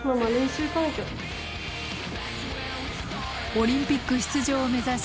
オリンピック出場を目指し